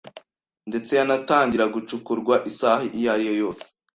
ndetse yanatangira gucukurwa isaha iyariyo yose